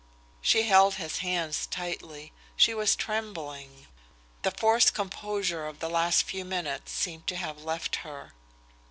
She held his hands tightly. She was trembling. The forced composure of the last few minutes seemed to have left her.